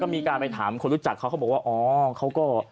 มีการถามคนรู้จักเขา